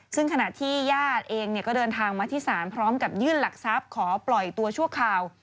ซึ่งขณะที่ญาติเองก็เดินทางมาที่ศาลพร้อมกับยื่นหลักทรัพย์ขอปล่อยตัวชั่วคราว